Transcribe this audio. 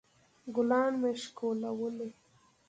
ګلان مه شکولوئ